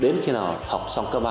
đến khi nào học xong cơ ba thì thôi